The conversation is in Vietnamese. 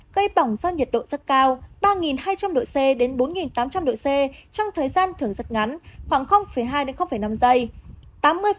gây bỏng do nhiệt độ rất cao ba hai trăm linh độ c đến bốn tám trăm linh độ c trong thời gian thường rất ngắn khoảng hai năm giây